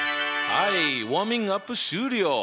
はいウォーミングアップ終了。